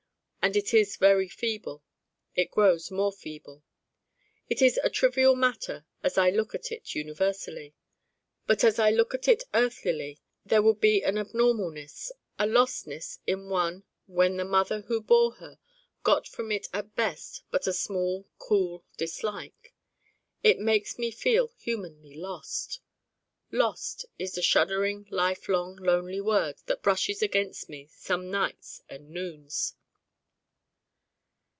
And it is very feeble. It grows more feeble. It is a trivial matter as I look at it universally. But as I look at it earthlily: there would be an abnormalness, a lostness in one when the mother who bore her got from it at best but a small cool dislike. It makes me feel humanly lost. 'Lost' is the shuddering life long lonely word that brushes against me some nights and noons.